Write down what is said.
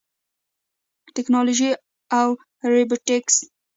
ټیکنالوژي او روبوټکس